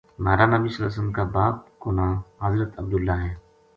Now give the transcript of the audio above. مہارانبی ﷺ کا باپ کو ناں حضرت عبداللہ ہے۔